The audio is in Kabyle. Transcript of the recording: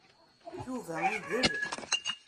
Yuba idel.